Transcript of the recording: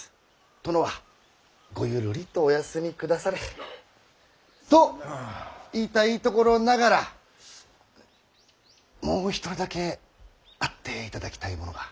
殿はごゆるりとお休みくだされ。と言いたいところながらもう一人だけ会っていただきたい者が。